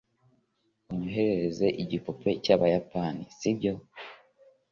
Unyoherereza igipupe cyabayapani, sibyo?